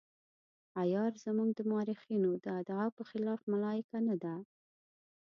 عیار زموږ د مورخینو د ادعا په خلاف ملایکه نه ده.